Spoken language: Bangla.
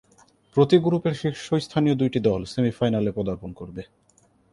প্রতি গ্রুপের শীর্ষস্থানীয় দুইটি দল সেমি-ফাইনালে পদার্পণ করবে।